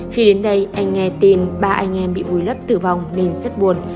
khi đến đây anh nghe tin ba anh em bị vùi lấp tử vong nên rất buồn